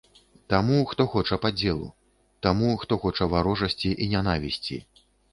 Таму, хто хоча падзелу, таму, хто хоча варожасці і нянавісці.